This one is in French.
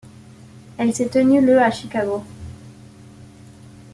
Elle s'est tenue le à Chicago.